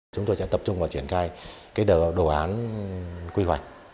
chúng tôi sẽ tập trung vào triển khai đồ án quy hoạch